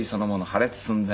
破裂寸前。